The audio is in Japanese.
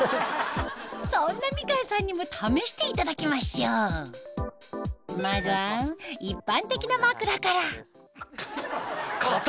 そんなみかんさんにも試していただきましょうまずは一般的な枕から硬っ！